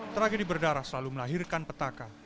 tragedi berdarah selalu melahirkan petaka